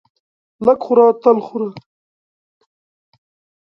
لږ خوره تل خوره.